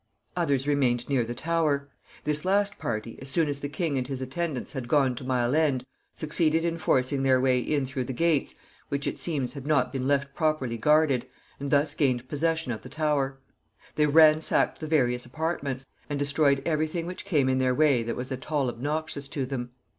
Others remained near the Tower. This last party, as soon as the king and his attendants had gone to Mile End, succeeded in forcing their way in through the gates, which, it seems, had not been left properly guarded, and thus gained possession of the Tower. They ransacked the various apartments, and destroyed every thing which came in their way that was at all obnoxious to them.